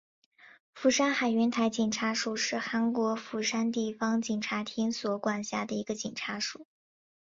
釜山海云台警察署是韩国釜山地方警察厅所管辖的一个警察署。